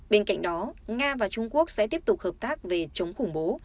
bên cạnh đó nga và trung quốc sẽ tiếp tục hợp tác về chống khủng bố